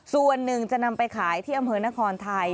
ส่วนหนึ่งจะนำไปขายที่อำเภอนครไทย